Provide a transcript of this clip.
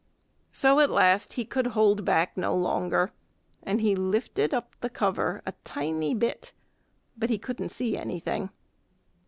So at last he could hold back no longer, and he lifted up the cover a tiny bit; but he couldn't see anything.